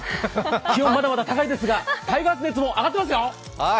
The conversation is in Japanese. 気温、まだまだ高いですが、タイガース熱も高いですよ！